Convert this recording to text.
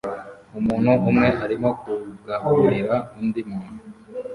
Umuntu umwe arimo kugaburira undi muntu